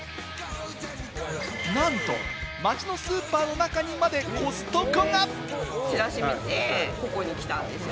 なんと街のスーパーの中にまでコストコが。